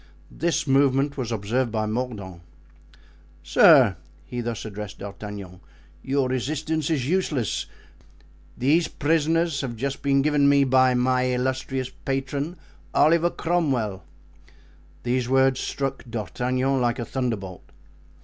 This movement was observed by Mordaunt. "Sir!" he thus addressed D'Artagnan, "your resistance is useless; these prisoners have just been given me by my illustrious patron, Oliver Cromwell." These words struck D'Artagnan like a thunderbolt.